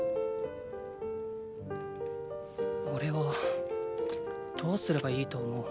おれはどうすればいいと思う？